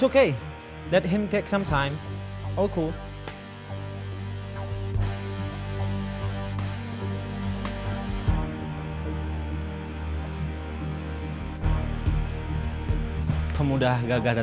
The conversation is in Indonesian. kan kayaknya udah gede